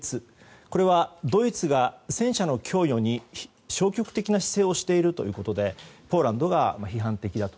これはドイツが戦車の供与に消極的な姿勢をしているということでポーランドが批判的だと。